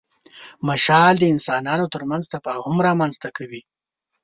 مشال د انسانانو تر منځ تفاهم رامنځ ته کوي.